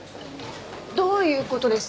どういう事ですか？